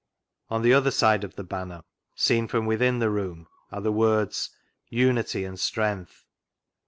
On the other side of the Banner (seen from within the room) are the words: UNITY AND STRENGTH.